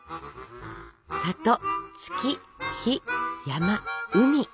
「里」「月」「日」「山」「海」